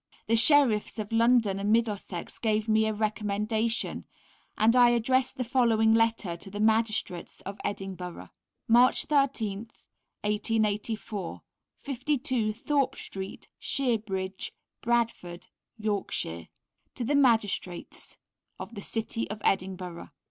The Sheriffs of London and Middlesex gave me a recommendation, and I addressed the following letter to the Magistrates of Edinburgh: March 13_th_, 1884. 52, Thorpe Street, Shearbridge, Bradford, Yorkshire. To the Magistrates of the City of Edinburgh.